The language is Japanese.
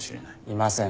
いません。